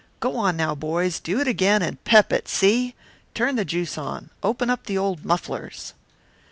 Go on, now, boys, do it again and pep it, see. Turn the juice on, open up the old mufflers."